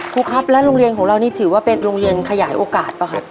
ครูครับแล้วโรงเรียนของเรานี่ถือว่าเป็นโรงเรียนขยายโอกาสป่ะครับ